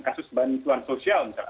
kasus bantuan sosial misalnya